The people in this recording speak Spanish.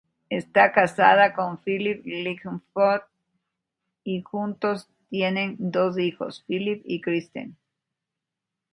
Esta casada con Philip Lightfoot y juntos tienen dos hijos Philip y Kristen.